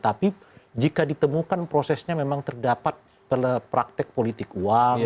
tapi jika ditemukan prosesnya memang terdapat praktek politik uang